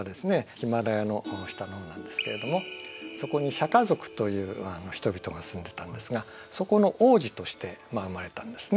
ヒマラヤの下の方なんですけれどもそこにシャカ族という人々が住んでたんですがそこの王子として生まれたんですね。